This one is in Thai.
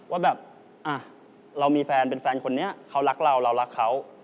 ว่าแบบเรามีแฟนเป็นแฟนคนนี้เขารักเราเรารักเขา